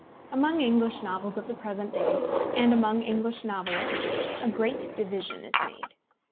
Among English novels of the present day, and among English novelists, a great division is made.